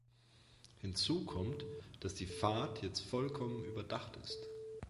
Hinzu kommt, dass die Fahrt jetzt vollkommen überdacht ist.